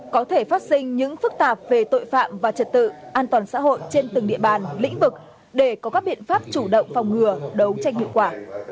có thể phát sinh những phức tạp về tội phạm và trật tự an toàn xã hội trên từng địa bàn lĩnh vực để có các biện pháp chủ động phòng ngừa đấu tranh hiệu quả